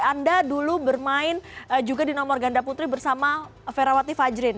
anda dulu bermain juga di nomor ganda putri bersama ferawati fajrin